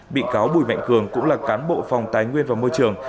bị cáo bùi mạnh cường cũng là cán bộ phòng tài nguyên và môi trường